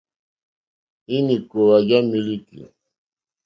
Ínì kòòwà já mílíkì.